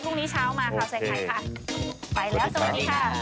พรุ่งนี้เช้ามามีใครไปแล้วสวัสดีค่ะ